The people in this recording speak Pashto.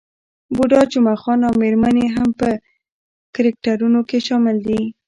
بوډا جمعه خان او میرمن يې هم په کرکټرونو کې شامل دي.